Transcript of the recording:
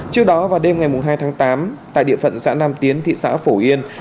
trước đó vào đêm ngày hai tháng tám tại địa phận xã nam tiến thị xã phổ yên